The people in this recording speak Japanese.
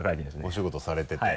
お仕事されてて。